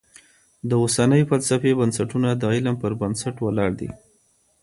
د اوسنۍ فلسفې بنسټونه د علم پر بنسټ ولاړ دي.